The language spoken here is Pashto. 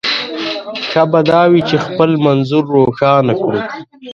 ښه به دا وي چې خپل منظور روښانه کړو.